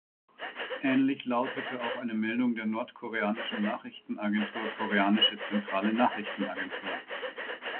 Ähnlich lautete auch eine Meldung der nordkoreanischen Nachrichtenagentur Koreanische Zentrale Nachrichtenagentur.